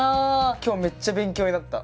今日めっちゃ勉強になった。